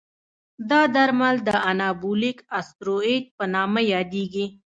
دا درمل د انابولیک استروئید په نامه یادېږي.